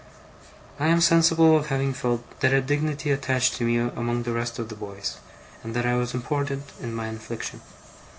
I am sensible of having felt that a dignity attached to me among the rest of the boys, and that I was important in my affliction.